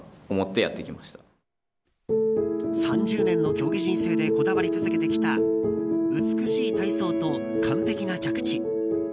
３０年の競技人生でこだわり続けてきた美しい体操と、完璧な着地。